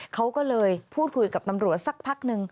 เขาก็เลยพูดคุยกับตำรวจสักพักนึง